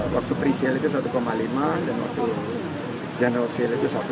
waktu presale itu satu lima dan waktu general sale itu satu tujuh